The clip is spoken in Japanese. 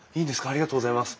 ありがとうございます！